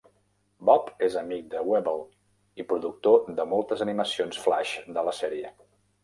Bob és amic de Weebl i productor de moltes animacions flaix de la sèrie.